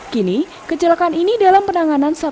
kini kecelakaan ini dalam penanganan